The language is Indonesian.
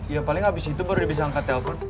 ya paling abis itu baru dia bisa angkat telpon